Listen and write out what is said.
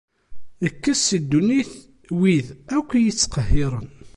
Kkes si ddunit wid akk i iyi-ittqehhiren.